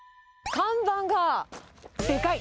看板がでかい！